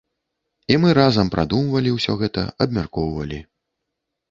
І мы разам прадумвалі ўсё гэта, абмяркоўвалі.